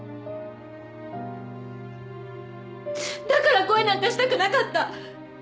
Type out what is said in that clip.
だから恋なんかしたくなかった。